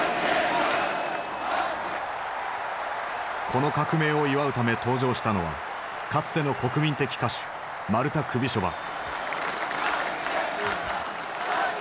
この革命を祝うため登場したのはかつての国民的歌手マルタ・クビショヴァ。